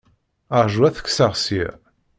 Ṛju ad t-kkseɣ ssya.